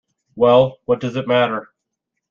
Well, what does it matter?